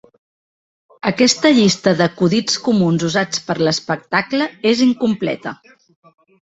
Aquesta llista d"acudits comuns usats per l"espectable és incompleta.